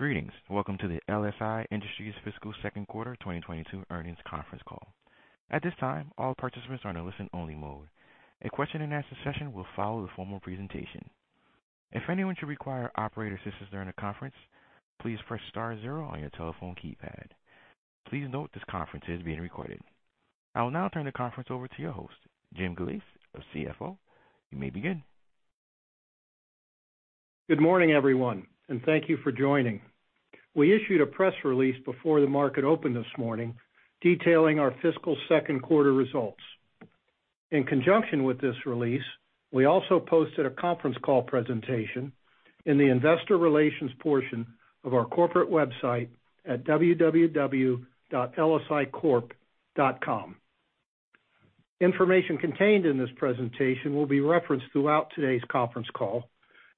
Greetings. Welcome to the LSI Industries Fiscal Second Quarter 2022 Earnings Conference Call. At this time, all participants are in a listen-only mode. A question-and-answer session will follow the formal presentation. If anyone should require operator assistance during the conference, please press star zero on your telephone keypad. Please note this conference is being recorded. I will now turn the conference over to your host, Jim Galeese, our CFO. You may begin. Good morning, everyone, and thank you for joining. We issued a press release before the market opened this morning detailing our fiscal second quarter results. In conjunction with this release, we also posted a conference call presentation in the investor relations portion of our corporate website at www.lsicorp.com. Information contained in this presentation will be referenced throughout today's conference call.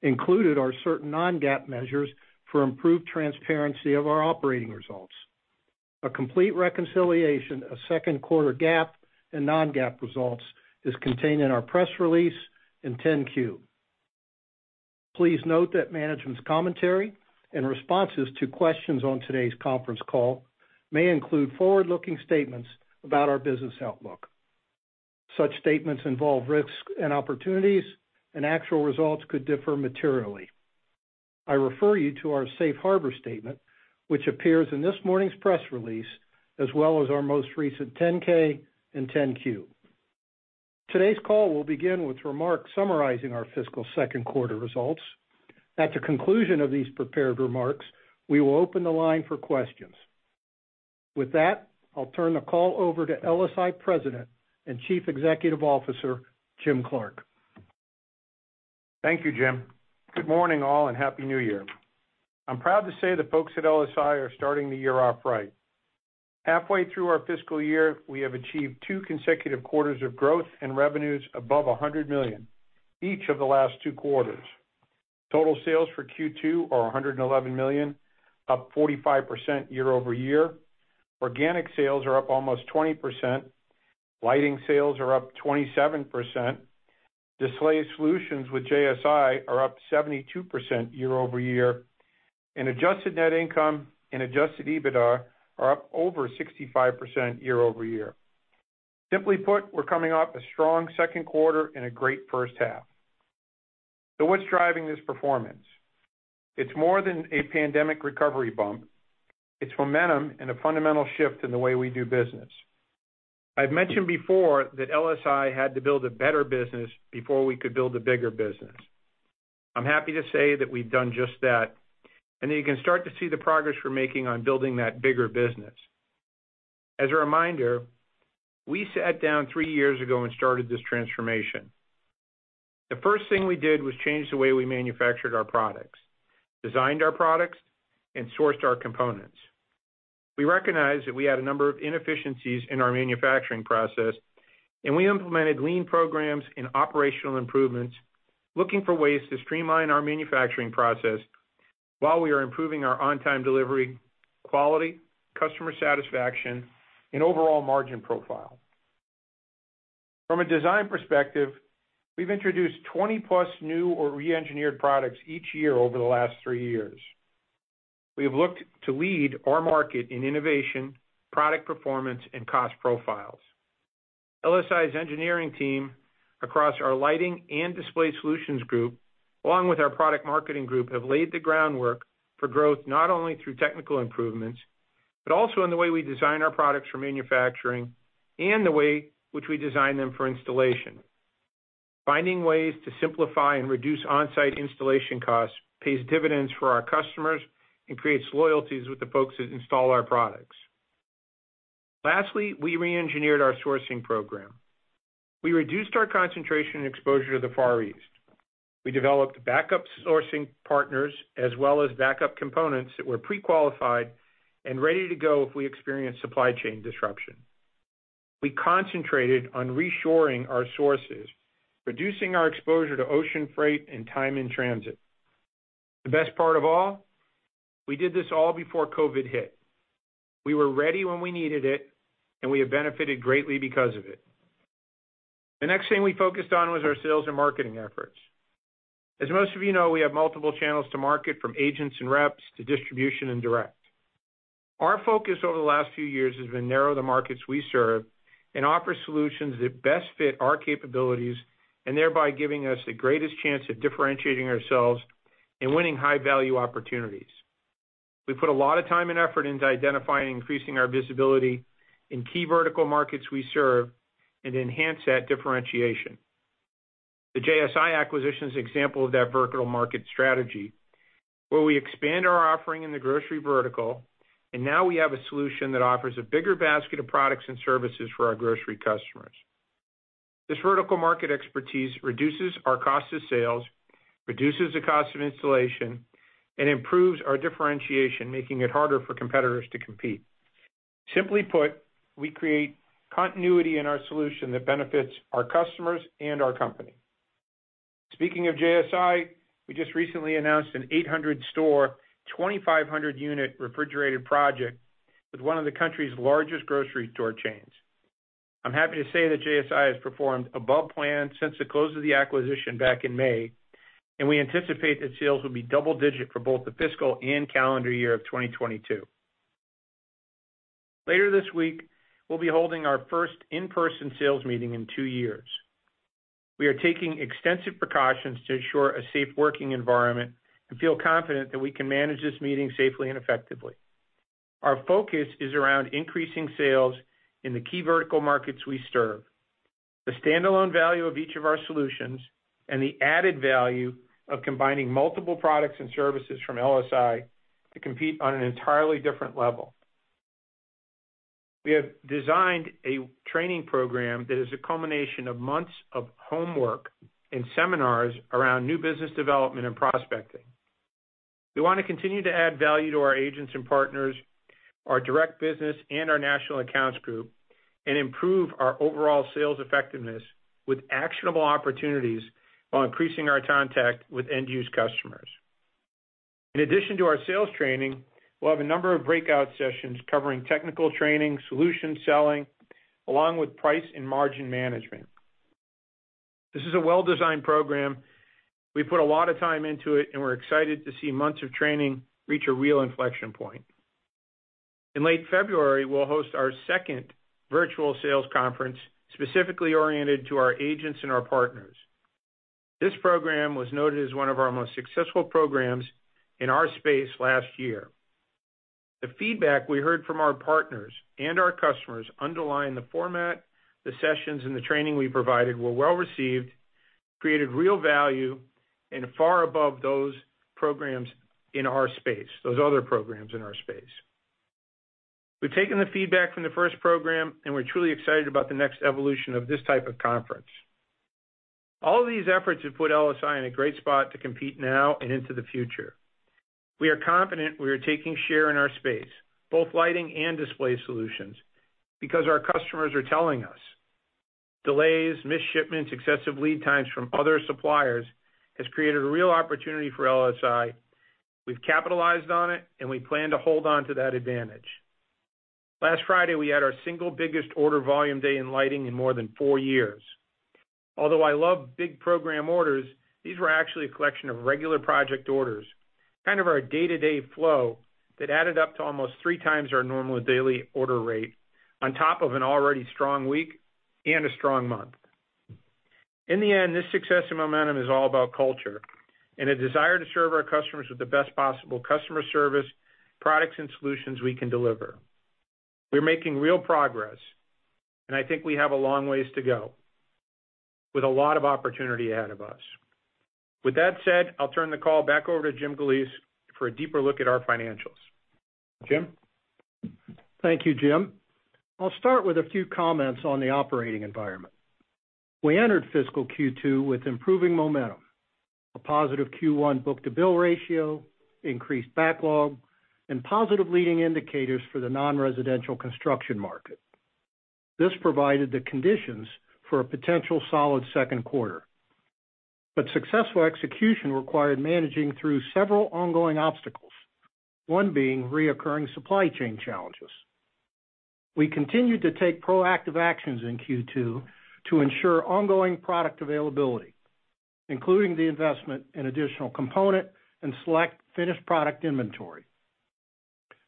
Included are certain non-GAAP measures for improved transparency of our operating results. A complete reconciliation of second quarter GAAP and non-GAAP results is contained in our press release and 10-Q. Please note that management's commentary and responses to questions on today's conference call may include forward-looking statements about our business outlook. Such statements involve risks and opportunities and actual results could differ materially. I refer you to our safe harbor statement, which appears in this morning's press release, as well as our most recent 10-K and 10-Q. Today's call will begin with remarks summarizing our fiscal second quarter results. At the conclusion of these prepared remarks, we will open the line for questions. With that, I'll turn the call over to LSI President and Chief Executive Officer, Jim Clark. Thank you, Jim. Good morning, all, and happy New Year. I'm proud to say the folks at LSI are starting the year off right. Halfway through our fiscal year, we have achieved two consecutive quarters of growth and revenues above $100 million, each of the last two quarters. Total sales for Q2 are $111 million, up 45% year-over-year. Organic sales are up almost 20%. Lighting sales are up 27%. Display Solutions with JSI are up 72% year-over-year. Adjusted net income and adjusted EBITDA are up over 65% year-over-year. Simply put, we're coming off a strong second quarter and a great first half. What's driving this performance? It's more than a pandemic recovery bump. It's momentum and a fundamental shift in the way we do business. I've mentioned before that LSI had to build a better business before we could build a bigger business. I'm happy to say that we've done just that, and you can start to see the progress we're making on building that bigger business. As a reminder, we sat down 3 years ago and started this transformation. The first thing we did was change the way we manufactured our products, designed our products, and sourced our components. We recognized that we had a number of inefficiencies in our manufacturing process, and we implemented lean programs and operational improvements, looking for ways to streamline our manufacturing process while we are improving our on-time delivery, quality, customer satisfaction, and overall margin profile. From a design perspective, we've introduced 20-plus new or re-engineered products each year over the last 3 years. We have looked to lead our market in innovation, product performance, and cost profiles. LSI's engineering team across our Lighting and Display Solutions group, along with our product marketing group, have laid the groundwork for growth not only through technical improvements, but also in the way we design our products for manufacturing and the way which we design them for installation. Finding ways to simplify and reduce on-site installation costs pays dividends for our customers and creates loyalties with the folks that install our products. Lastly, we re-engineered our sourcing program. We reduced our concentration and exposure to the Far East. We developed backup sourcing partners as well as backup components that were pre-qualified and ready to go if we experience supply chain disruption. We concentrated on reshoring our sources, reducing our exposure to ocean freight and time in transit. The best part of all, we did this all before COVID hit. We were ready when we needed it, and we have benefited greatly because of it. The next thing we focused on was our sales and marketing efforts. As most of you know, we have multiple channels to market, from agents and reps to distribution and direct. Our focus over the last few years has been to narrow the markets we serve and offer solutions that best fit our capabilities and thereby giving us the greatest chance of differentiating ourselves and winning high-value opportunities. We put a lot of time and effort into identifying and increasing our visibility in key vertical markets we serve and enhancing that differentiation. The JSI acquisition is an example of that vertical market strategy, where we expand our offering in the grocery vertical, and now we have a solution that offers a bigger basket of products and services for our grocery customers. This vertical market expertise reduces our cost of sales, reduces the cost of installation, and improves our differentiation, making it harder for competitors to compete. Simply put, we create continuity in our solution that benefits our customers and our company. Speaking of JSI, we just recently announced an 800-store, 2,500-unit refrigerated project with one of the country's largest grocery store chains. I'm happy to say that JSI has performed above plan since the close of the acquisition back in May, and we anticipate that sales will be double-digit for both the fiscal and calendar year of 2022. Later this week, we'll be holding our first in-person sales meeting in two years. We are taking extensive precautions to ensure a safe working environment and feel confident that we can manage this meeting safely and effectively. Our focus is around increasing sales in the key vertical markets we serve, the standalone value of each of our solutions, and the added value of combining multiple products and services from LSI to compete on an entirely different level. We have designed a training program that is a culmination of months of homework and seminars around new business development and prospecting. We wanna continue to add value to our agents and partners, our direct business, and our national accounts group, and improve our overall sales effectiveness with actionable opportunities while increasing our contact with end-user customers. In addition to our sales training, we'll have a number of breakout sessions covering technical training, solution selling, along with price and margin management. This is a well-designed program. We put a lot of time into it, and we're excited to see months of training reach a real inflection point. In late February, we'll host our second virtual sales conference, specifically oriented to our agents and our partners. This program was noted as one of our most successful programs in our space last year. The feedback we heard from our partners and our customers underlined the format, the sessions, and the training we provided were well-received, created real value, and far above those programs in our space. We've taken the feedback from the first program, and we're truly excited about the next evolution of this type of conference. All of these efforts have put LSI in a great spot to compete now and into the future. We are confident we are taking share in our space, both lighting and Display Solutions, because our customers are telling us. Delays, missed shipments, excessive lead times from other suppliers has created a real opportunity for LSI. We've capitalized on it, and we plan to hold on to that advantage. Last Friday, we had our single biggest order volume day in lighting in more than four years. Although I love big program orders, these were actually a collection of regular project orders, kind of our day-to-day flow that added up to almost three times our normal daily order rate on top of an already strong week and a strong month. In the end, this success and momentum is all about culture and a desire to serve our customers with the best possible customer service, products, and solutions we can deliver. We're making real progress, and I think we have a long ways to go with a lot of opportunity ahead of us. With that said, I'll turn the call back over to Jim Galeese for a deeper look at our financials. Jim? Thank you, Jim. I'll start with a few comments on the operating environment. We entered fiscal Q2 with improving momentum, a positive Q1 book-to-bill ratio, increased backlog, and positive leading indicators for the non-residential construction market. This provided the conditions for a potential solid second quarter. Successful execution required managing through several ongoing obstacles, one being recurring supply chain challenges. We continued to take proactive actions in Q2 to ensure ongoing product availability, including the investment in additional component and select finished product inventory.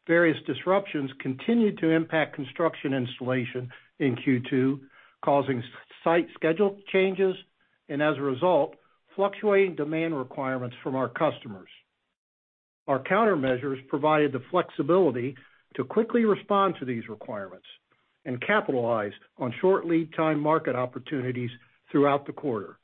Various disruptions continued to impact construction installation in Q2, causing site schedule changes, and as a result, fluctuating demand requirements from our customers. Our countermeasures provided the flexibility to quickly respond to these requirements and capitalize on short lead time market opportunities throughout the quarter.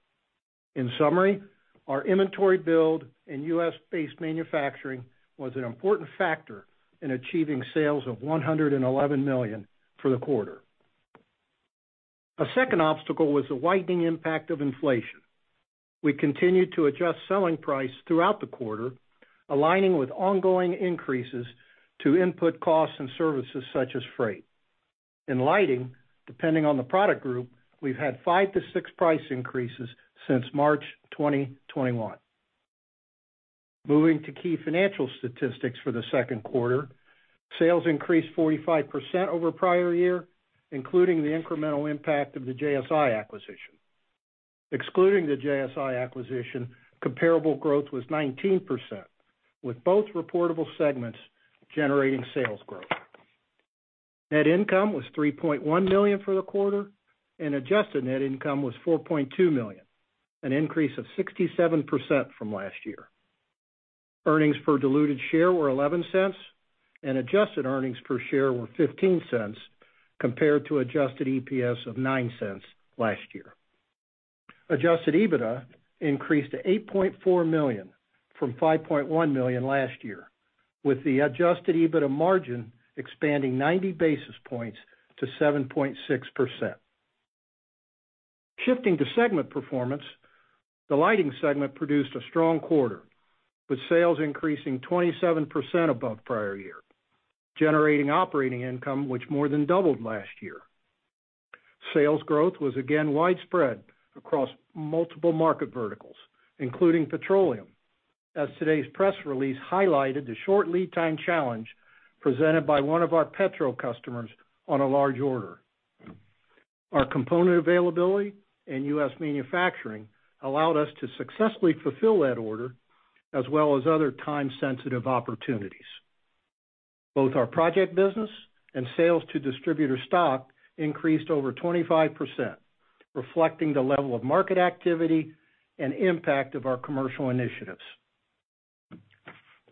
In summary, our inventory build and U.S. based manufacturing was an important factor in achieving sales of $111 million for the quarter. A second obstacle was the widening impact of inflation. We continued to adjust selling price throughout the quarter, aligning with ongoing increases to input costs and services such as freight. In lighting, depending on the product group, we've had 5-6 price increases since March 2021. Moving to key financial statistics for the second quarter. Sales increased 45% over prior year, including the incremental impact of the JSI acquisition. Excluding the JSI acquisition, comparable growth was 19%, with both reportable segments generating sales growth. Net income was $3.1 million for the quarter, and adjusted net income was $4.2 million, an increase of 67% from last year. Earnings per diluted share were $0.11, and adjusted earnings per share were $0.15 compared to adjusted EPS of $0.09 last year. Adjusted EBITDA increased to $8.4 million from $5.1 million last year, with the adjusted EBITDA margin expanding 90 basis points to 7.6%. Shifting to segment performance, the lighting segment produced a strong quarter, with sales increasing 27% above prior year, generating operating income which more than doubled last year. Sales growth was again widespread across multiple market verticals, including petroleum. As today's press release highlighted the short lead time challenge presented by one of our petroleum customers on a large order. Our component availability and U.S. manufacturing allowed us to successfully fulfill that order as well as other time-sensitive opportunities. Both our project business and sales to distributor stock increased over 25%, reflecting the level of market activity and impact of our commercial initiatives.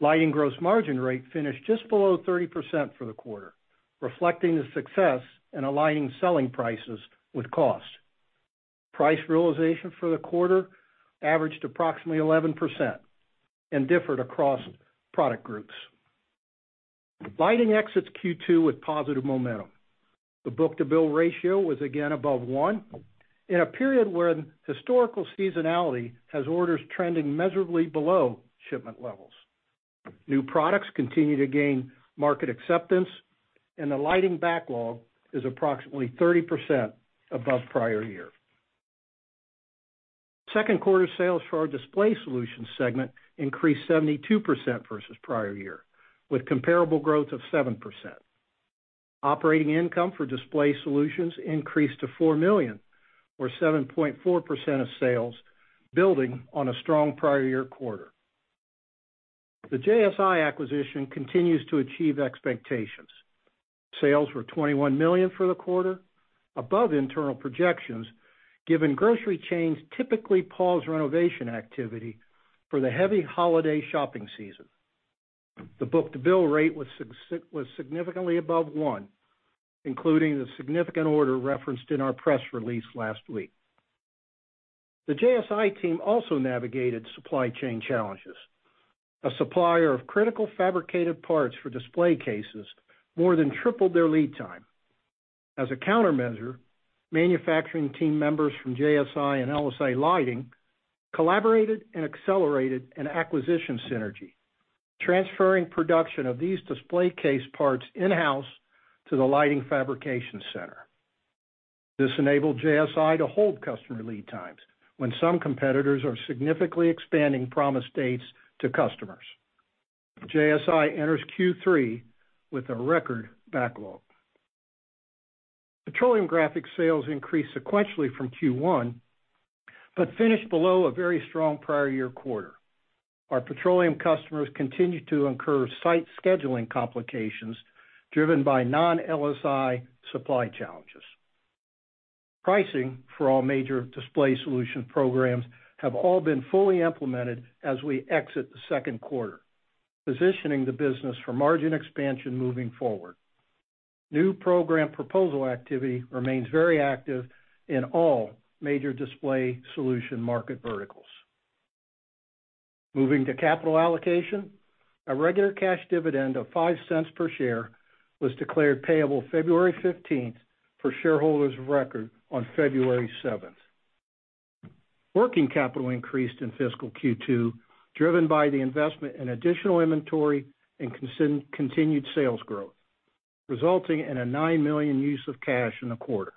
Lighting gross margin rate finished just below 30% for the quarter, reflecting the success in aligning selling prices with cost. Price realization for the quarter averaged approximately 11% and differed across product groups. Lighting exits Q2 with positive momentum. The book-to-bill ratio was again above 1 in a period where historical seasonality has orders trending measurably below shipment levels. New products continue to gain market acceptance, and the Lighting backlog is approximately 30% above prior year. Second quarter sales for our Display Solutions segment increased 72% versus prior year, with comparable growth of 7%. Operating income for Display Solutions increased to $4 million, or 7.4% of sales, building on a strong prior year quarter. The JSI acquisition continues to achieve expectations. Sales were $21 million for the quarter, above internal projections, given grocery chains typically pause renovation activity for the heavy holiday shopping season. The book-to-bill rate was significantly above one, including the significant order referenced in our press release last week. The JSI team also navigated supply chain challenges. A supplier of critical fabricated parts for display cases more than tripled their lead time. As a countermeasure, manufacturing team members from JSI and LSI Lighting collaborated and accelerated an acquisition synergy, transferring production of these display case parts in-house to the lighting fabrication center. This enabled JSI to hold customer lead times when some competitors are significantly expanding promised dates to customers. JSI enters Q3 with a record backlog. Petroleum graphics sales increased sequentially from Q1, but finished below a very strong prior year quarter. Our petroleum customers continued to incur site scheduling complications driven by non-LSI supply challenges. Pricing for all major Display Solutions programs have all been fully implemented as we exit the second quarter, positioning the business for margin expansion moving forward. New program proposal activity remains very active in all major Display Solutions market verticals. Moving to capital allocation, a regular cash dividend of $0.05 per share was declared payable February fifteenth for shareholders of record on February seventh. Working capital increased in fiscal Q2, driven by the investment in additional inventory and continued sales growth, resulting in a $9 million use of cash in the quarter.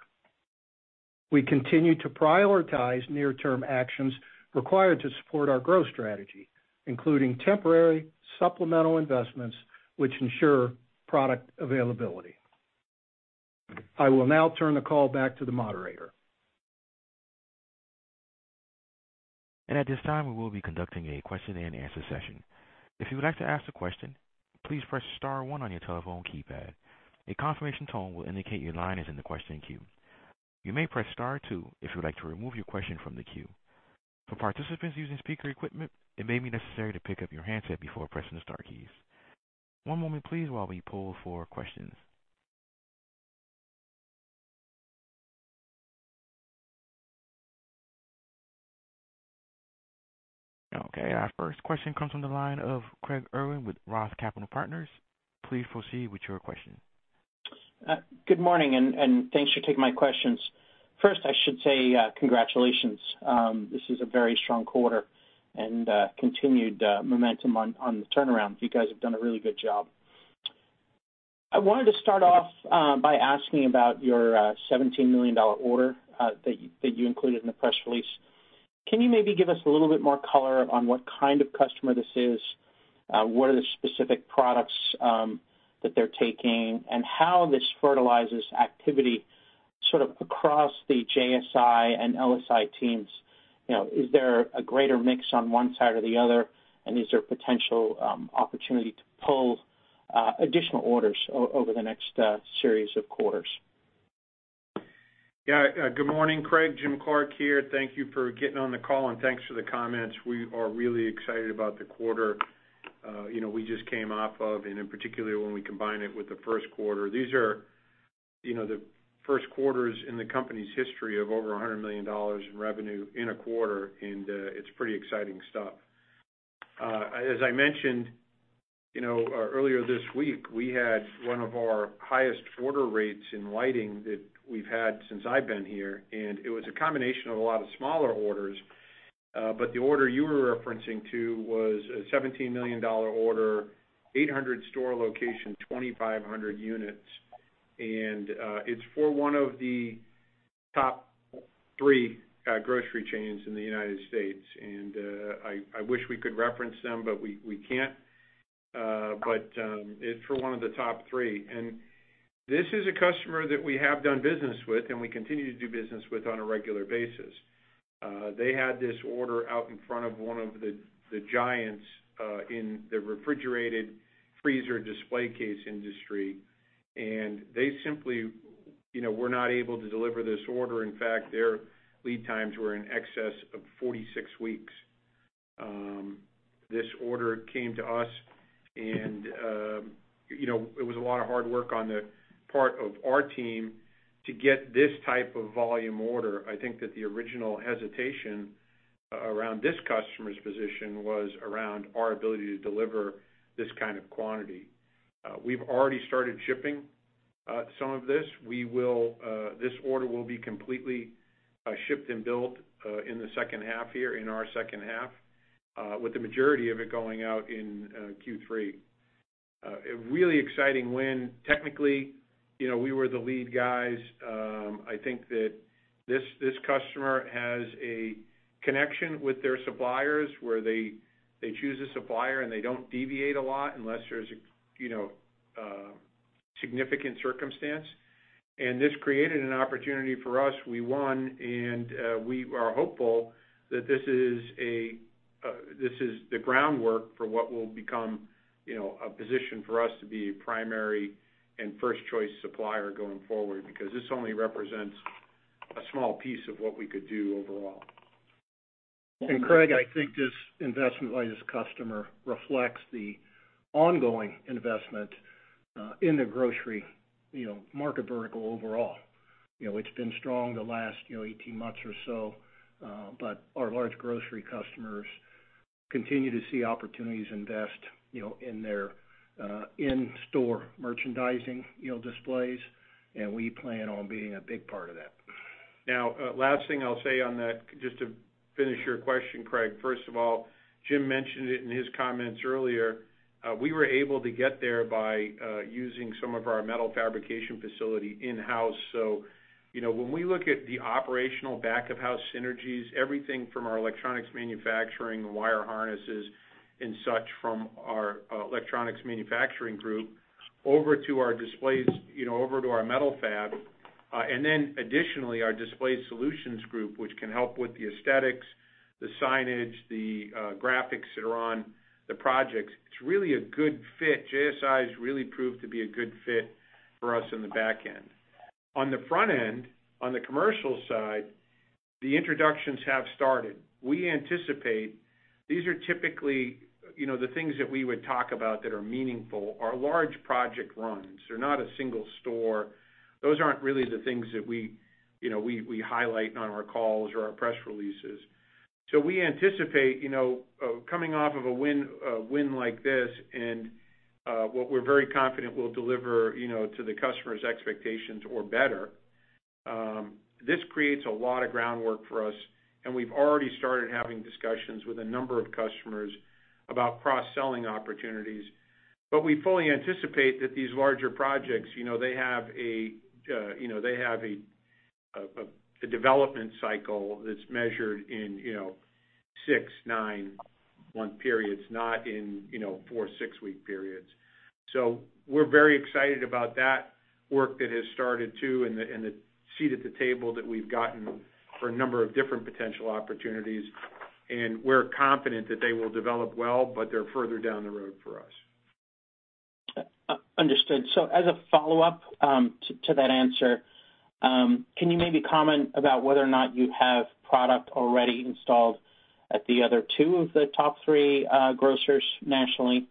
We continue to prioritize near-term actions required to support our growth strategy, including temporary supplemental investments which ensure product availability. I will now turn the call back to the moderator. At this time, we will be conducting a question-and-answer session. If you would like to ask a question, please press star one on your telephone keypad. A confirmation tone will indicate your line is in the question queue. You may press star two if you would like to remove your question from the queue. For participants using speaker equipment, it may be necessary to pick up your handset before pressing the star keys. One moment, please, while we poll for questions. Okay, our first question comes on the line of Craig Irwin with Roth Capital Partners. Please proceed with your question. Good morning, and thanks for taking my questions. First, I should say, congratulations. This is a very strong quarter and continued momentum on the turnaround. You guys have done a really good job. I wanted to start off by asking about your $17 million order that you included in the press release. Can you maybe give us a little bit more color on what kind of customer this is? What are the specific products that they're taking? And how this facilitates activity sort of across the JSI and LSI teams? is there a greater mix on one side or the other? And is there potential opportunity to pull additional orders over the next series of quarters? Yeah, good morning, Craig. Jim Clark here. Thank you for getting on the call and thanks for the comments. We are really excited about the quarter we just came off of, and in particular, when we combine it with the first quarter. These are the first quarters in the company's history of over $100 million in revenue in a quarter, and it's pretty exciting stuff. As I mentioned, you know, earlier this week, we had one of our highest quarter rates in lighting that we've had since I've been here, and it was a combination of a lot of smaller orders. But the order you were referencing to was a $17 million order, 800 store location, 2,500 units. It's for one of the Top three grocery chains in the United States. I wish we could reference them, but we can't. It's for one of the top three. This is a customer that we have done business with and we continue to do business with on a regular basis. They had this order out in front of one of the giants in the refrigerated freezer display case industry, and they simply, you know, were not able to deliver this order. In fact, their lead times were in excess of 46 weeks. This order came to us and it was a lot of hard work on the part of our team to get this type of volume order. I think that the original hesitation around this customer's position was around our ability to deliver this kind of quantity. We've already started shipping some of this. This order will be completely shipped and built in the second half here, in our second half, with the majority of it going out in Q3. A really exciting win. Technically, you know, we were the lead guys. I think that this customer has a connection with their suppliers where they choose a supplier and they don't deviate a lot unless there's a you know significant circumstance. This created an opportunity for us. We won, and we are hopeful that this is the groundwork for what will become you know a position for us to be a primary and first choice supplier going forward, because this only represents a small piece of what we could do overall. Craig, I think this investment by this customer reflects the ongoing investment in the grocery market vertical overall. It's been strong the last 18 months or so, but our large grocery customers continue to see opportunities, invest in their in-store merchandising displays, and we plan on being a big part of that. Now, last thing I'll say on that, just to finish your question, Craig. First of all, Jim mentioned it in his comments earlier. We were able to get there by using some of our metal fabrication facility in-house. When we look at the operational back of house synergies, everything from our electronics manufacturing, wire harnesses and such from our electronics manufacturing group over to our displays over to our metal fab, and then additionally, our Display Solutions group, which can help with the aesthetics, the signage, the graphics that are on the projects, it's really a good fit. JSI has really proved to be a good fit for us in the back end. On the front end, on the commercial side, the introductions have started. We anticipate these are typically the things that we would talk about that are meaningful are large project runs. They're not a single store. Those aren't really the things that we we highlight on our calls or our press releases. We anticipate coming off of a win like this and what we're very confident will deliver to the customer's expectations or better, this creates a lot of groundwork for us, and we've already started having discussions with a number of customers about cross-selling opportunities. We fully anticipate that these larger projects they have a development cycle that's measured in, you know, 6-9-month periods, not in 4-6-week periods. We're very excited about that work that has started too, and the seat at the table that we've gotten for a number of different potential opportunities, and we're confident that they will develop well, but they're further down the road for us. Understood. As a follow-up to that answer, can you maybe comment about whether or not you have product already installed at the other two of the top three grocers nationally?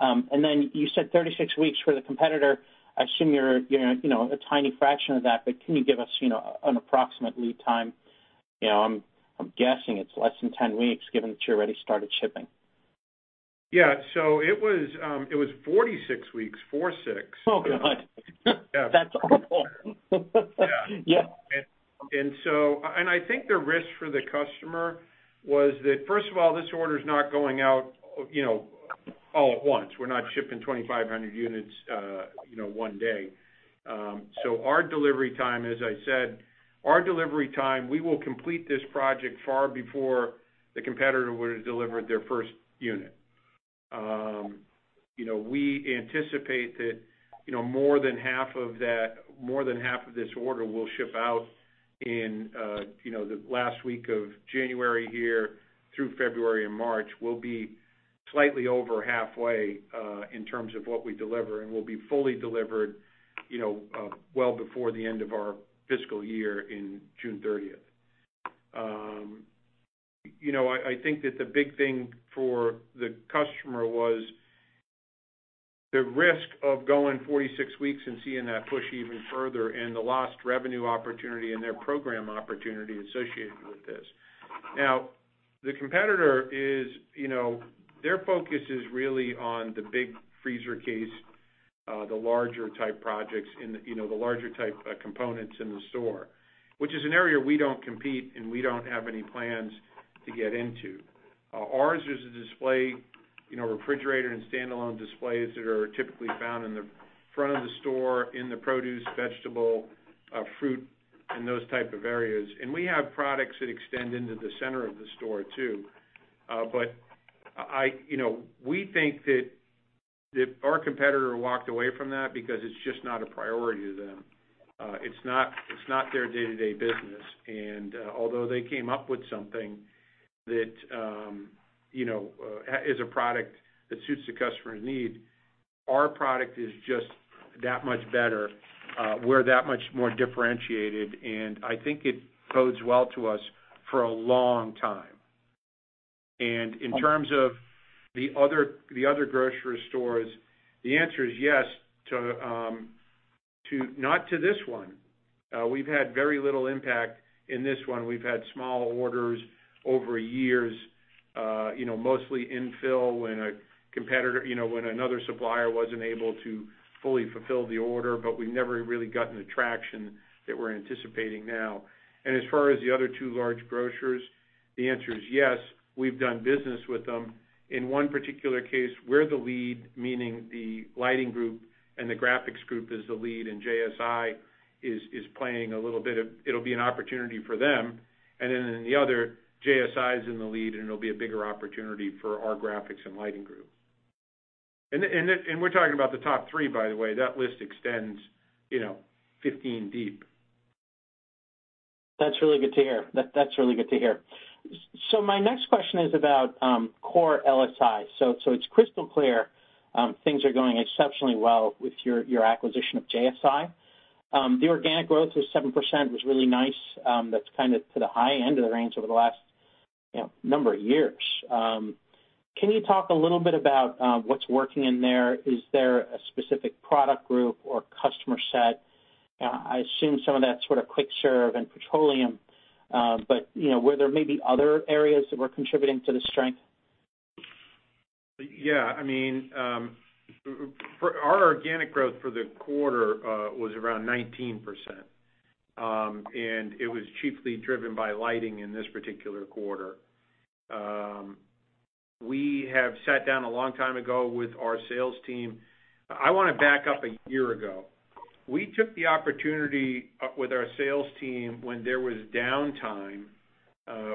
You said 36 weeks for the competitor. I assume you're a tiny fraction of that, but can you give us an approximate lead time? You know, I'm guessing it's less than 10 weeks, given that you already started shipping. Yeah. It was 46 weeks. 4, 6. Oh, God. That's awful. I think the risk for the customer was that, first of all, this order is not going out all at once. We're not shipping 2,500 units one day. Our delivery time, as I said, we will complete this project far before the competitor would have delivered their first unit. You know, we anticipate that more than half of this order will ship out in the last week of January here through February and March. We'll be slightly over halfway in terms of what we deliver, and we'll be fully delivered, you know, well before the end of our fiscal year in June thirtieth. I think that the big thing for the customer was the risk of going 46 weeks and seeing that push even further and the lost revenue opportunity and their program opportunity associated with this. Now, the competitor is their focus is really on the big freezer case, the larger type projects in the larger type components in the store, which is an area we don't compete and we don't have any plans to get into. Ours is a display refrigerator and standalone displays that are typically found in the front of the store, in the produce, vegetable, fruit, and those type of areas. We have products that extend into the center of the store too. We think that our competitor walked away from that because it's just not a priority to them. It's not their day-to-day business. Although they came up with something that as a product that suits the customer's need, our product is just that much better. We're that much more differentiated, and I think it bodes well to us for a long time. In terms of the other grocery stores, the answer is yes, not to this one. We've had very little impact in this one. We've had small orders over years, you know, mostly infill when a competitor when another supplier wasn't able to fully fulfill the order, but we've never really gotten the traction that we're anticipating now. As far as the other two large grocers, the answer is yes. We've done business with them. In one particular case, we're the lead, meaning the lighting group and the graphics group is the lead, and JSI is playing a little bit. It'll be an opportunity for them. In the other, JSI is in the lead, and it'll be a bigger opportunity for our graphics and lighting group. We're talking about the top three, by the way. That list extends 15 deep. That's really good to hear. My next question is about core LSI. It's crystal clear things are going exceptionally well with your acquisition of JSI. The organic growth was 7%, was really nice. That's kind of to the high end of the range over the last, you know, number of years. Can you talk a little bit about what's working in there? Is there a specific product group or customer set? I assume some of that's sort of quick serve and petroleum, but were there maybe other areas that were contributing to the strength? Yeah. I mean, for our organic growth for the quarter, was around 19%. It was chiefly driven by lighting in this particular quarter. We have sat down a long time ago with our sales team. I wanna back up a year ago. We took the opportunity, with our sales team when there was downtime,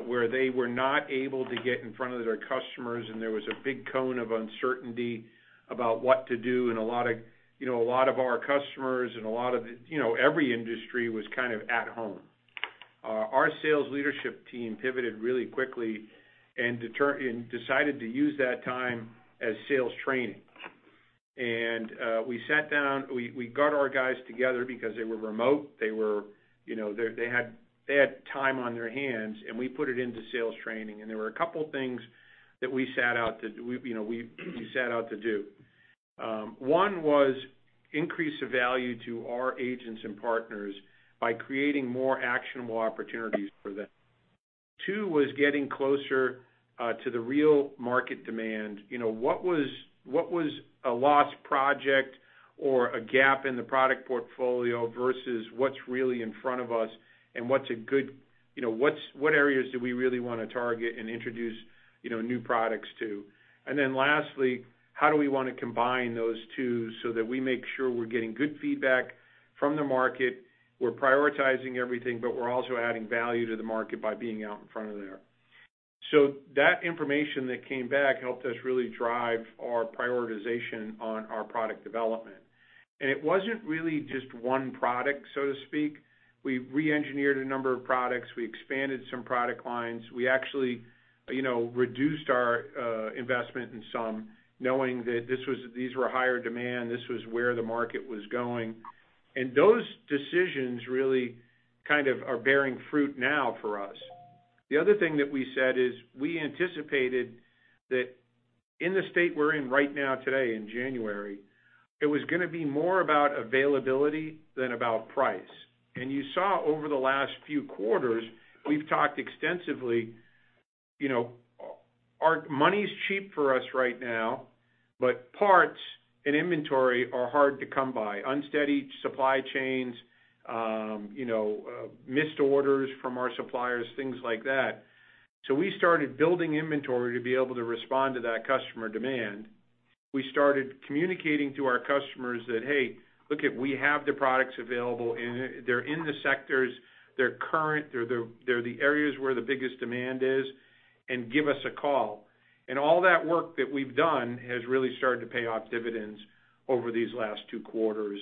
where they were not able to get in front of their customers, and there was a big cone of uncertainty about what to do and a lot of a lot of our customers and a lot of every industry was kind of at home. Our sales leadership team pivoted really quickly and decided to use that time as sales training. We sat down, we got our guys together because they were remote. They were, they had time on their hands, and we put it into sales training. There were a couple things that we set out to do. One was increase the value to our agents and partners by creating more actionable opportunities for them. Two was getting closer to the real market demand. You know, what was a lost project or a gap in the product portfolio versus what's really in front of us and what's a good what areas do we really wanna target and introduce new products to? Then lastly, how do we wanna combine those two so that we make sure we're getting good feedback from the market, we're prioritizing everything, but we're also adding value to the market by being out in front of there. That information that came back helped us really drive our prioritization on our product development. It wasn't really just one product, so to speak. We re-engineered a number of products. We expanded some product lines. We actually reduced our investment in some, knowing that these were higher demand, this was where the market was going. Those decisions really kind of are bearing fruit now for us. The other thing that we said is we anticipated that in the state we're in right now today in January, it was gonna be more about availability than about price. You saw over the last few quarters, we've talked extensively our money's cheap for us right now, but parts and inventory are hard to come by. Unsteady supply chains missed orders from our suppliers, things like that. We started building inventory to be able to respond to that customer demand. We started communicating to our customers that, "Hey, look it, we have the products available and they're in the sectors, they're current, they're the areas where the biggest demand is, and give us a call." All that work that we've done has really started to pay off dividends over these last two quarters.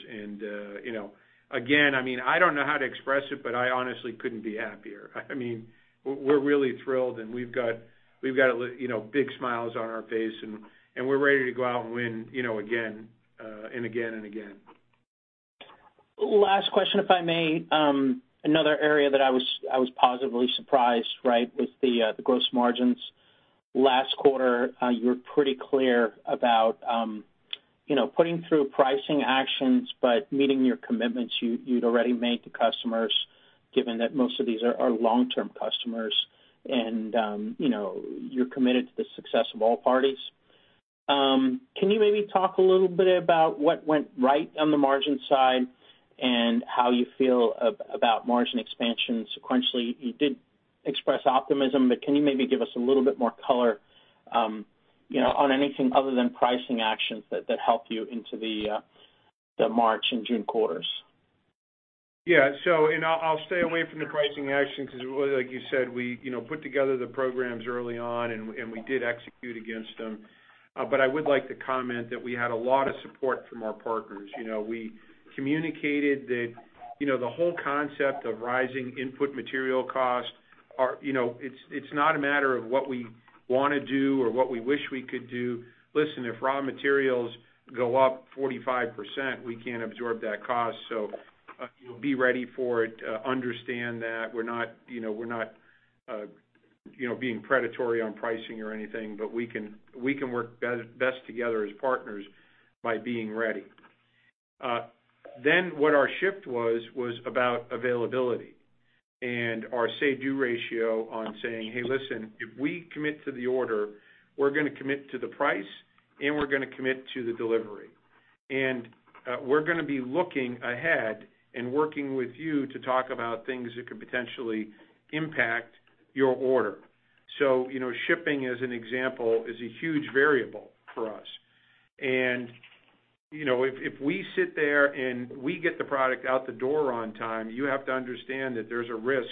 Again, I mean, I don't know how to express it, but I honestly couldn't be happier. I mean, we're really thrilled, and we've got big smiles on our face, and we're ready to go out and win, you know, again and again and again. Last question, if I may. Another area that I was positively surprised, right, was the gross margins. Last quarter, you were pretty clear about putting through pricing actions, but meeting your commitments you'd already made to customers, given that most of these are long-term customers and, you know, you're committed to the success of all parties. Can you maybe talk a little bit about what went right on the margin side and how you feel about margin expansion sequentially? You did express optimism, but can you maybe give us a little bit more color, you know, on anything other than pricing actions that helped you into the March and June quarters? I'll stay away from the pricing action because like you said, we put together the programs early on and we did execute against them. I would like to comment that we had a lot of support from our partners. We communicated that the whole concept of rising input material costs are, you know, it's not a matter of what we wanna do or what we wish we could do. Listen, if raw materials go up 45%, we can't absorb that cost. Be ready for it, understand that. We're not being predatory on pricing or anything, but we can work best together as partners by being ready. What our shift was about availability and our say/do ratio on saying, "Hey, listen, if we commit to the order, we're gonna commit to the price, and we're gonna commit to the delivery. We're gonna be looking ahead and working with you to talk about things that could potentially impact your order." shipping, as an example, is a huge variable for us, if we sit there and we get the product out the door on time, you have to understand that there's a risk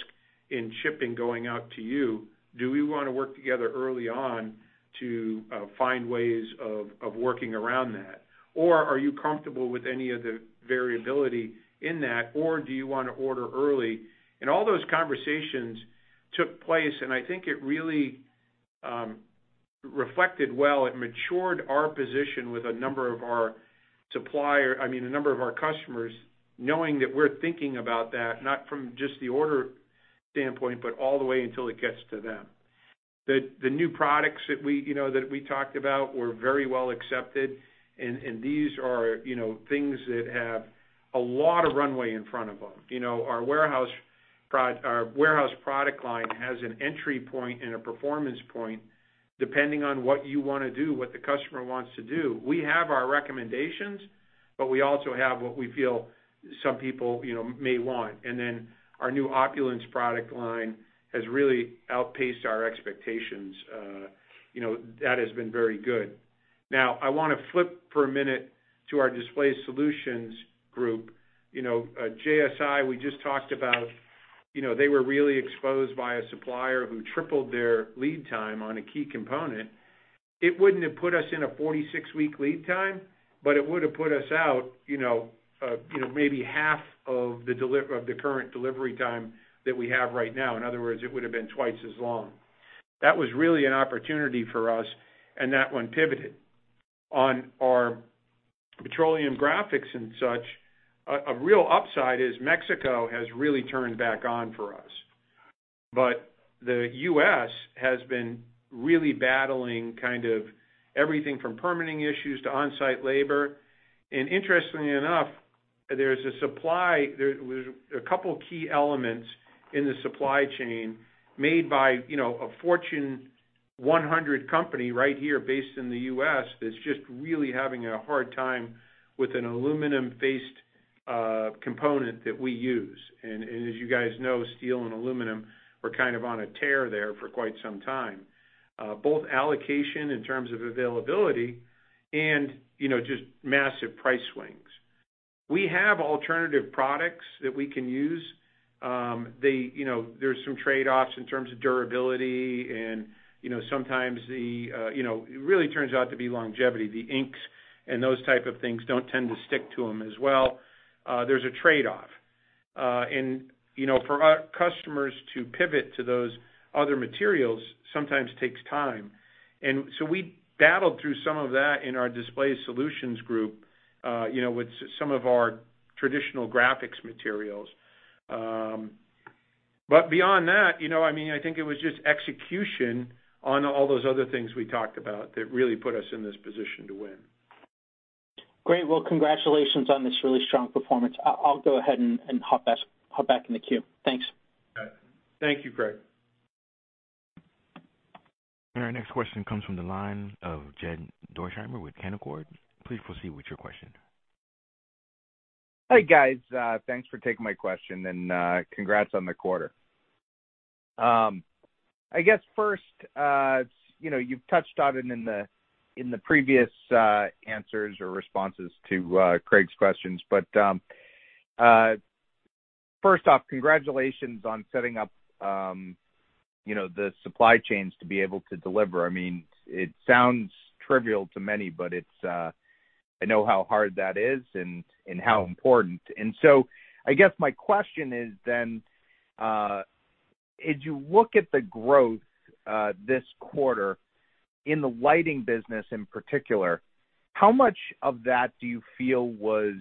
in shipping going out to you. Do we wanna work together early on to find ways of working around that? Or are you comfortable with any of the variability in that, or do you wanna order early? All those conversations took place, and I think it really reflected well. It matured our position with a number of our customers, knowing that we're thinking about that, not from just the order standpoint, but all the way until it gets to them. The new products that we, you know, that we talked about were very well accepted. These are things that have a lot of runway in front of them. Our warehouse product line has an entry point and a performance point, depending on what you wanna do, what the customer wants to do. We have our recommendations, but we also have what we feel some people may want. Then our new Opulence product line has really outpaced our expectations. You know, that has been very good. Now, I wanna flip for a minute to our Display Solutions group at JSI, we just talked about they were really exposed by a supplier who tripled their lead time on a key component. It wouldn't have put us in a 46-week lead time, but it would have put us out maybe half of the current delivery time that we have right now. In other words, it would have been twice as long. That was really an opportunity for us, and that one pivoted. On our petroleum graphics and such, a real upside is Mexico has really turned back on for us. But the U.S. has been really battling kind of everything from permitting issues to on-site labor. Interestingly enough, there's a supply. There was a couple key elements in the supply chain made by, you know, a Fortune 100 company right here based in the U.S. that's just really having a hard time with an aluminum-based component that we use. As you guys know, steel and aluminum were kind of on a tear there for quite some time, both allocation in terms of availability and just massive price swings. We have alternative products that we can use. They, you know, there's some trade-offs in terms of durability and it really turns out to be longevity. The inks and those type of things don't tend to stick to them as well. There's a trade-off for our customers to pivot to those other materials sometimes takes time. We battled through some of that in our Display Solutions group with some of our traditional graphics materials. Beyond that I mean, I think it was just execution on all those other things we talked about that really put us in this position to win. Great. Well, congratulations on this really strong performance. I'll go ahead and hop back in the queue. Thanks. Thank you, Craig. Our next question comes from the line of Jed Dorsheimer with Canaccord. Please proceed with your question. Hi, guys. Thanks for taking my question. Congrats on the quarter. I guess first, you've touched on it in the previous answers or responses to Craig's questions. First off, congratulations on setting up the supply chains to be able to deliver. I mean, it sounds trivial to many, but I know how hard that is and how important. I guess my question is then, as you look at the growth this quarter in the lighting business in particular, how much of that do you feel was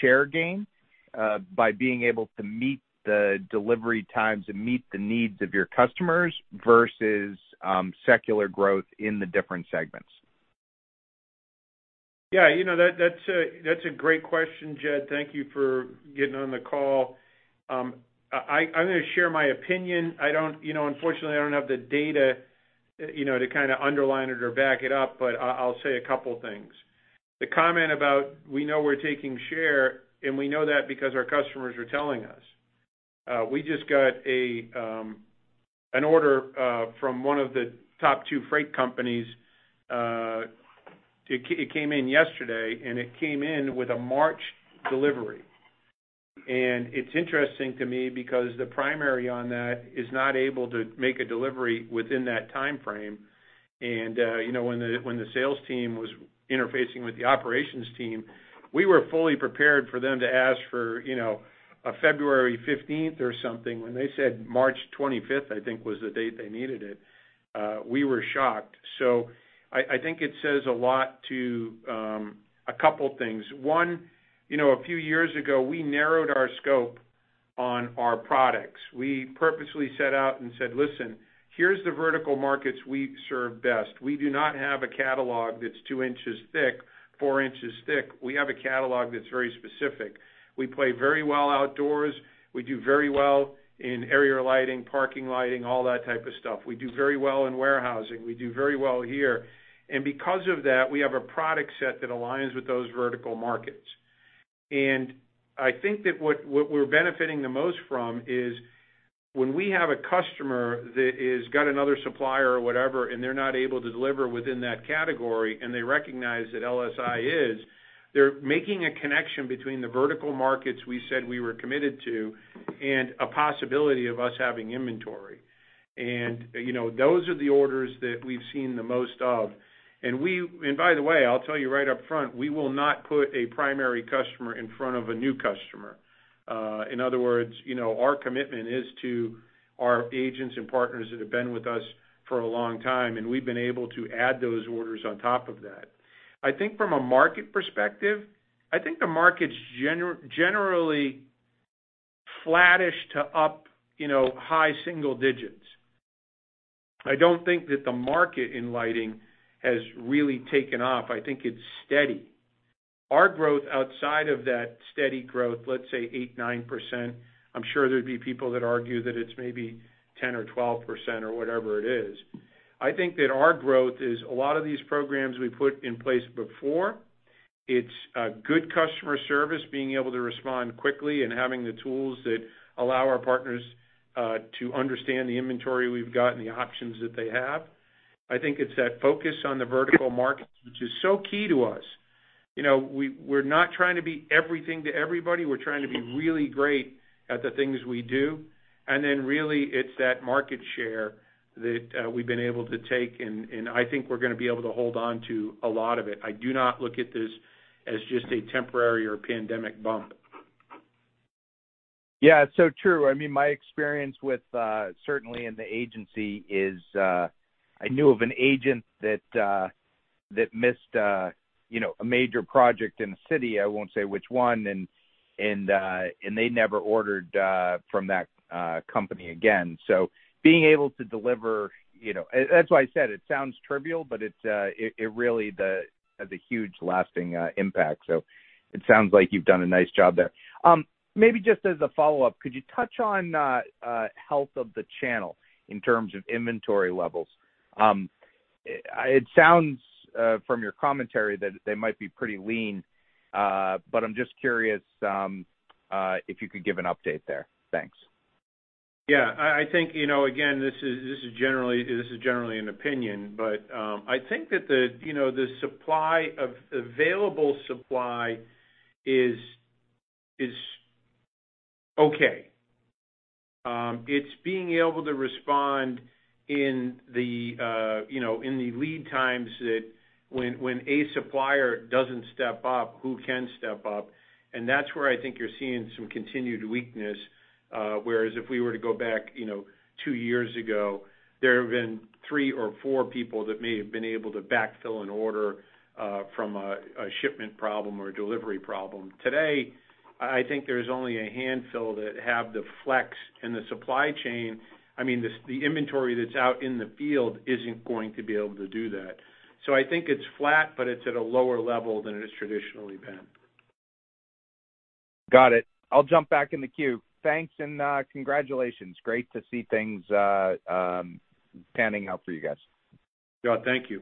share gain by being able to meet the delivery times and meet the needs of your customers versus secular growth in the different segments? Yeah, that's a great question, Jed. Thank you for getting on the call. I'm gonna share my opinion. I don't unfortunately, I don't have the data of kind of underline it or back it up, but I'll say a couple things. The comment about we know we're taking share, and we know that because our customers are telling us. We just got an order from one of the top two freight companies. It came in yesterday, and it came in with a March delivery. It's interesting to me because the primary on that is not able to make a delivery within that timeframe. When the sales team was interfacing with the operations team, we were fully prepared for them to ask for a February 15th or something. When they said March 25th, I think, was the date they needed it, we were shocked. I think it says a lot to a couple things. One, a few years ago, we narrowed our scope on our products. We purposely set out and said, "Listen, here's the vertical markets we serve best." We do not have a catalog that's two inches thick, four inches thick. We have a catalog that's very specific. We play very well outdoors. We do very well in area lighting, parking lighting, all that type of stuff. We do very well in warehousing. We do very well here. Because of that, we have a product set that aligns with those vertical markets. I think that what we're benefiting the most from is when we have a customer that has got another supplier or whatever, and they're not able to deliver within that category, and they recognize that LSI is, they're making a connection between the vertical markets we said we were committed to and a possibility of us having inventory. those are the orders that we've seen the most of. By the way, I'll tell you right up front, we will not put a primary customer in front of a new customer. In other words, you know, our commitment is to our agents and partners that have been with us for a long time, and we've been able to add those orders on top of that. I think from a market perspective, I think the market's generally flattish to up high single digits. I don't think that the market in lighting has really taken off. I think it's steady. Our growth outside of that steady growth, let's say 8%-9%, I'm sure there'd be people that argue that it's maybe 10% or 12% or whatever it is. I think that our growth is a lot of these programs we put in place before. It's good customer service, being able to respond quickly and having the tools that allow our partners to understand the inventory we've got and the options that they have. I think it's that focus on the vertical market, which is so key to us. We're not trying to be everything to everybody. We're trying to be really great at the things we do. Really it's that market share that we've been able to take, and I think we're gonna be able to hold on to a lot of it. I do not look at this as just a temporary or pandemic bump. Yeah, true. I mean, my experience with certainly in the agency is, I knew of an agent that missed, you know, a major project in the city, I won't say which one, and they never ordered from that company again, being able to deliver and that's why I said it sounds trivial, but it really has a huge lasting impact. It sounds like you've done a nice job there. Maybe just as a follow-up, could you touch on health of the channel in terms of inventory levels? It sounds from your commentary that they might be pretty lean, but I'm just curious if you could give an update there. Thanks. Yeah. I think again, this is generally an opinion, but I think that the the available supply is okay. It's being able to respond in the in the lead times that when a supplier doesn't step up, who can step up? That's where I think you're seeing some continued weakness, whereas if we were to go back two years ago, there have been three or four people that may have been able to backfill an order from a shipment problem or a delivery problem. Today, I think there's only a handful that have the flex in the supply chain. I mean, the inventory that's out in the field isn't going to be able to do that. I think it's flat, but it's at a lower level than it has traditionally been. Got it. I'll jump back in the queue. Thanks and congratulations. Great to see things panning out for you guys. Jed, thank you.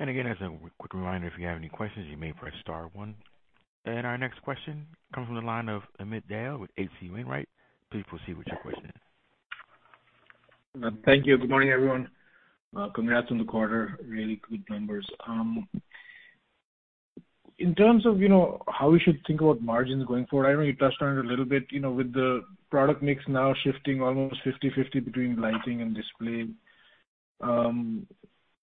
Again, as a quick reminder, if you have any questions, you may press star one. Our next question comes from the line of Amit Dayal with H.C. Wainwright. Please proceed with your question. Thank you. Good morning, everyone. Congrats on the quarter. Really good numbers. In terms of how we should think about margins going forward, I know you touched on it a little bit with the product mix now shifting almost 50/50 between lighting and display, and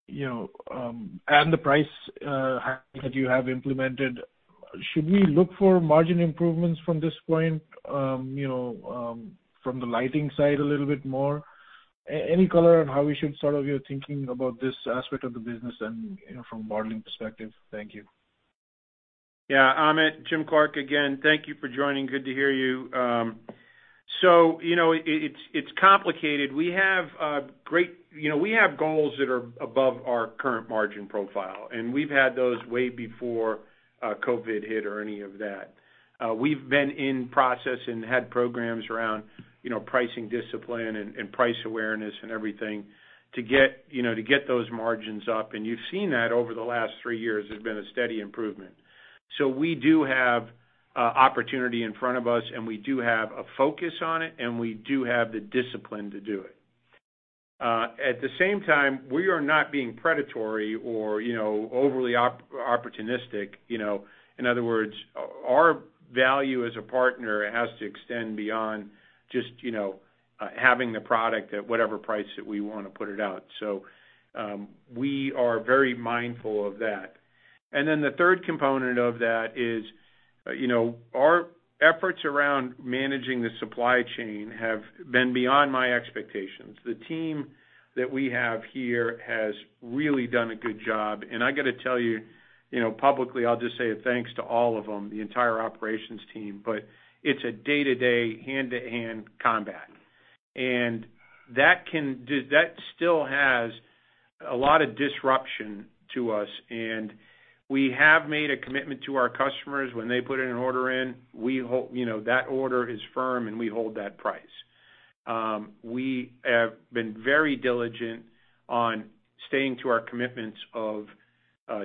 the pricing that you have implemented, should we look for margin improvements from this point, you know, from the lighting side a little bit more? Any color on how we should sort of think about this aspect of the business and from a modeling perspective. Thank you. Yeah, Amit, Jim Clark again. Thank you for joining. Good to hear you. It's complicated. We have goals that are above our current margin profile, and we've had those way before COVID hit or any of that. We've been in process and had programs around pricing discipline and price awareness and everything to get you know, to get those margins up, and you've seen that over the last three years. There's been a steady improvement. We do have opportunity in front of us, and we do have a focus on it, and we do have the discipline to do it. At the same time, we are not being predatory or you know, overly opportunistic In other words, our value as a partner has to extend beyond just having the product at whatever price that we wanna put it out. We are very mindful of that. The third component of that is our efforts around managing the supply chain have been beyond my expectations. The team that we have here has really done a good job, and I gotta tell publicly, I'll just say a thanks to all of them, the entire operations team. It's a day-to-day, hand-to-hand combat. That still has a lot of disruption to us, and we have made a commitment to our customers when they put an order in, we hold that order is firm, and we hold that price. We have been very diligent on sticking to our commitments of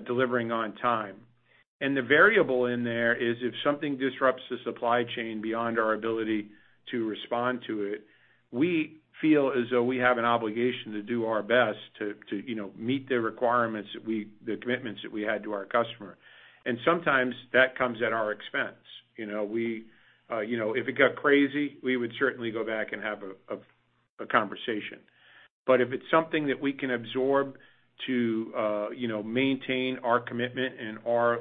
delivering on time. The variable in there is if something disrupts the supply chain beyond our ability to respond to it, we feel as though we have an obligation to do our best to meet the commitments that we had to our customer. Sometimes that comes at our expense. If it got crazy, we would certainly go back and have a conversation. But if it's something that we can absorb to maintain our commitment and our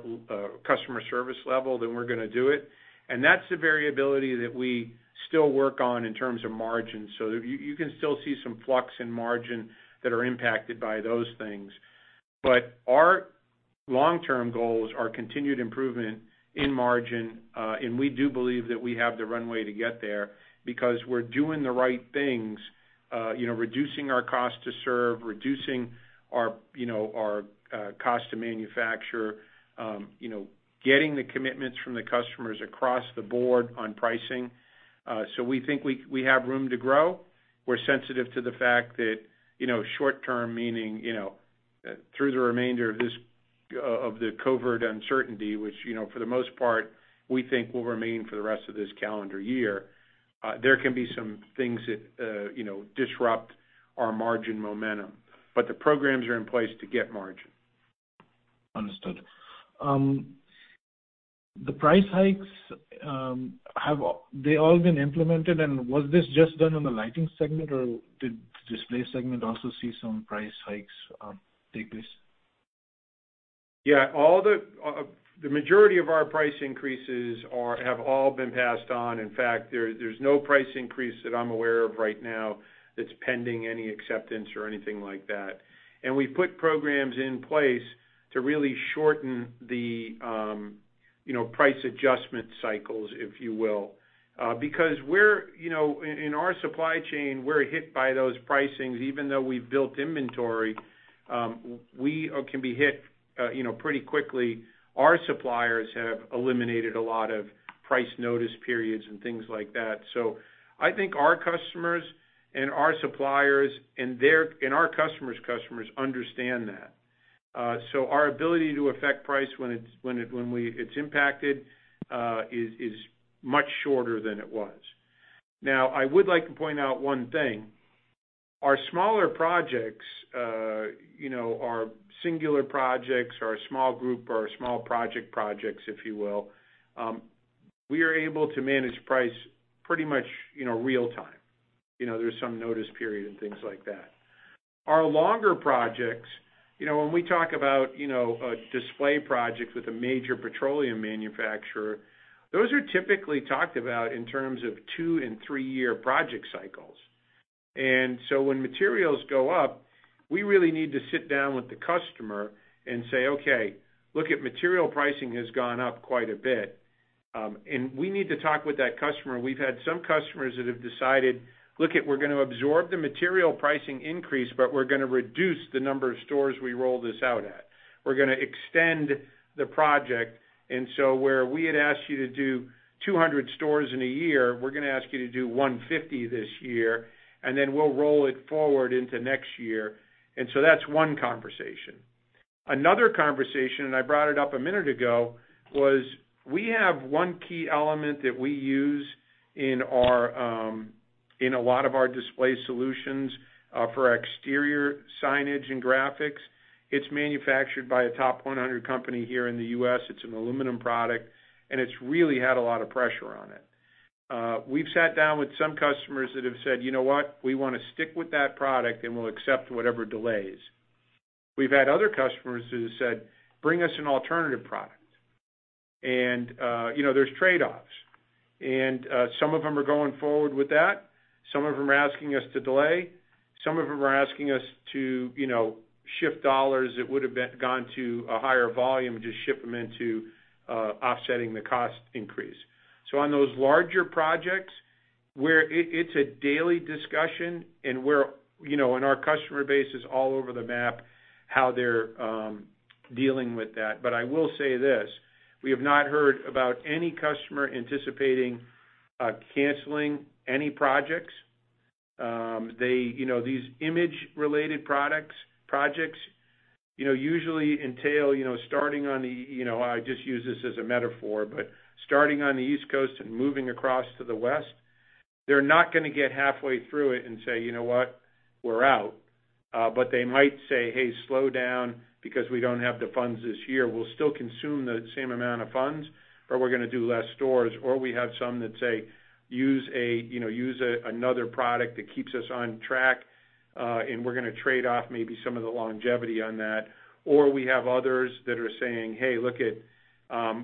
customer service level, then we're gonna do it. That's the variability that we still work on in terms of margins. You can still see some flux in margins that are impacted by those things. Our long-term goals are continued improvement in margin, and we do believe that we have the runway to get there because we're doing the right things reducing our cost to serve, reducing our cost to manufacture getting the commitments from the customers across the board on pricing. We think we have room to grow. We're sensitive to the fact that short-term, meaning, you know, through the remainder of this, of the COVID uncertainty, which for the most part, we think will remain for the rest of this calendar year, there can be some things that disrupt our margin momentum. The programs are in place to get margin. Understood. The price hikes, have they all been implemented? Was this just done on the Lighting segment, or did the Display segment also see some price hikes take place? Yeah. All the majority of our price increases have all been passed on. In fact, there's no price increase that I'm aware of right now that's pending any acceptance or anything like that. We've put programs in place to really shorten the price adjustment cycles, if you will. Because we're in our supply chain, we're hit by those pricings even though we've built inventory, we can be hit pretty quickly. Our suppliers have eliminated a lot of price notice periods and things like that. I think our customers and our suppliers and our customers' customers understand that. Our ability to affect price when it's impacted is much shorter than it was. Now, I would like to point out one thing. Our smaller projects our small projects, if you will, we are able to manage price pretty much real time. there's some notice period and things like that. Our longer projects when we talk about a display project with a major petroleum manufacturer, those are typically talked about in terms of two- and three-year project cycles. When materials go up, we really need to sit down with the customer and say, "Okay, look, material pricing has gone up quite a bit." We need to talk with that customer. We've had some customers that have decided, "Look, we're gonna absorb the material pricing increase, but we're gonna reduce the number of stores we roll this out at. We're gonna extend the project. where we had asked you to do 200 stores in a year, we're gonna ask you to do 150 this year, and then we'll roll it forward into next year." That's one conversation. Another conversation, and I brought it up a minute ago, was we have one key element that we use in our in a lot of our Display Solutions for exterior signage and graphics. It's manufactured by a top 100 company here in the U.S. It's an aluminum product, and it's really had a lot of pressure on it. We've sat down with some customers that have said, "You know what? We wanna stick with that product, and we'll accept whatever delays." We've had other customers who said, "Bring us an alternative product." there's trade-offs. Some of them are going forward with that, some of them are asking us to delay, some of them are asking us to, you know, shift dollars that would've been gone to a higher volume and just ship them into offsetting the cost increase. On those larger projects, where it's a daily discussion and where, you know, our customer base is all over the map, how they're dealing with that. I will say this, we have not heard about any customer anticipating canceling any projects. These image related projects, you know, usually entail I just use this as a metaphor, but starting on the East Coast and moving across to the West. They're not gonna get halfway through it and say, "You know what? We're out." They might say, "Hey, slow down because we don't have the funds this year. We'll still consume the same amount of funds, but we're gonna do less stores." We have some that say, "Use another product that keeps us on track, and we're gonna trade off maybe some of the longevity on that." We have others that are saying, "Hey, look it,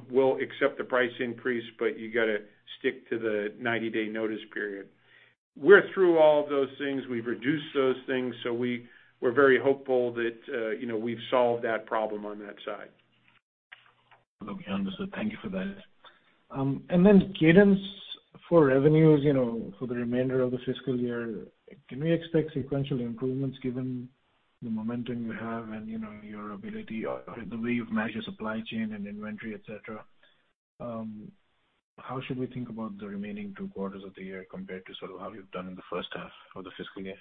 we'll accept the price increase, but you gotta stick to the 90-day notice period." We're through all of those things. We've reduced those things, so we're very hopeful that, you know, we've solved that problem on that side. Okay. Understood. Thank you for that. Guidance for revenues for the remainder of the fiscal year, can we expect sequential improvements given the momentum you have and, you know, your ability or the way you've managed your supply chain and inventory, et cetera? How should we think about the remaining two quarters of the year compared to sort of how you've done in the first half of the fiscal year?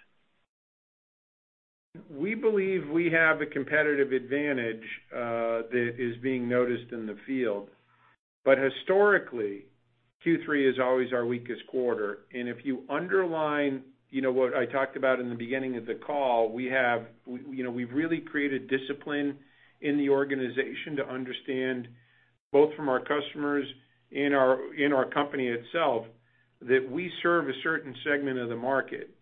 We believe we have a competitive advantage that is being noticed in the field. Historically, Q3 is always our weakest quarter. If you underline what I talked about in the beginning of the call we've really created discipline in the organization to understand both from our customers and our company itself that we serve a certain segment of the market.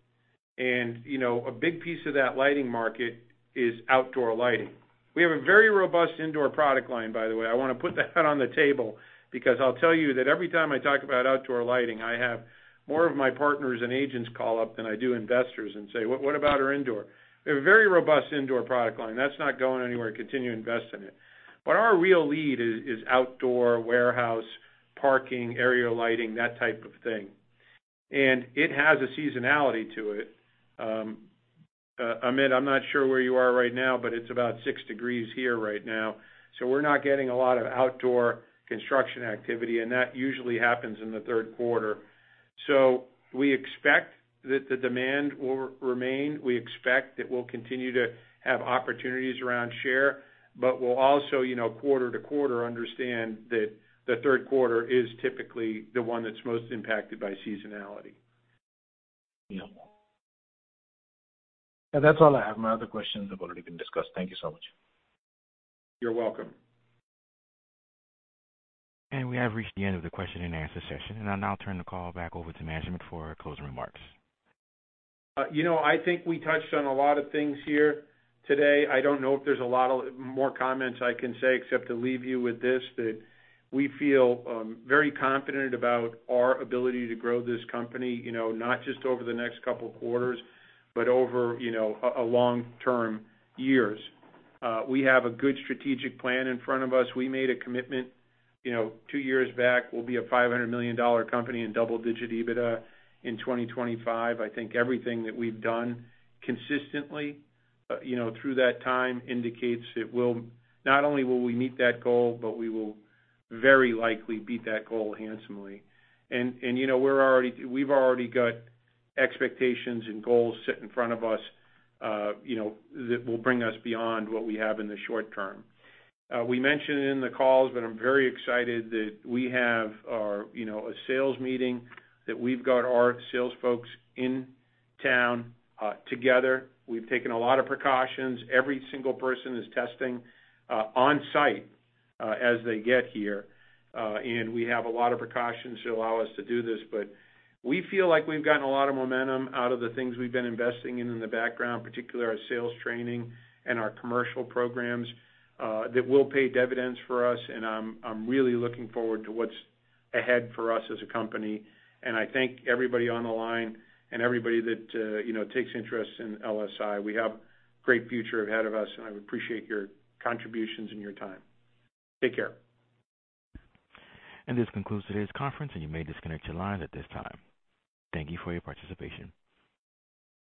A big piece of that lighting market is outdoor lighting. We have a very robust indoor product line, by the way. I wanna put that on the table because I'll tell you that every time I talk about outdoor lighting, I have more of my partners and agents call up than I do investors and say, "What about our indoor?" We have a very robust indoor product line. That's not going anywhere. Continue to invest in it. Our real lead is outdoor warehouse, parking, area lighting, that type of thing. It has a seasonality to it. Amit, I'm not sure where you are right now, but it's about six degrees here right now, so we're not getting a lot of outdoor construction activity, and that usually happens in the third quarter. We expect that the demand will remain. We expect that we'll continue to have opportunities around share, but we'll also quarter to quarter, understand that the third quarter is typically the one that's most impacted by seasonality. Yeah. That's all I have. My other questions have already been discussed. Thank you so much. You're welcome. We have reached the end of the question and answer session. I'll now turn the call back over to management for closing remarks. I think we touched on a lot of things here today. I don't know if there's a lot more comments I can say except to leave you with this, that we feel very confident about our ability to grow this company, you know, not just over the next couple of quarters, but over, you know, long-term years. We have a good strategic plan in front of us. We made a commitment two years back, we'll be a $500 million company in double-digit EBITDA in 2025. I think everything that we've done consistently, you know, through that time indicates not only will we meet that goal, but we will very likely beat that goal handsomely. We've already got expectations and goals set in front of us that will bring us beyond what we have in the short term. We mentioned it in the calls, but I'm very excited that we have our, you know, a sales meeting, that we've got our sales folks in town together. We've taken a lot of precautions. Every single person is testing on-site as they get here. We have a lot of precautions to allow us to do this. But we feel like we've gotten a lot of momentum out of the things we've been investing in in the background, particularly our sales training and our commercial programs that will pay dividends for us, and I'm really looking forward to what's ahead for us as a company. I thank everybody on the line and everybody that takes interest in LSI. We have great future ahead of us, and I appreciate your contributions and your time. Take care. This concludes today's conference, and you may disconnect your lines at this time. Thank you for your participation.